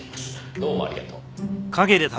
どうもありがとう。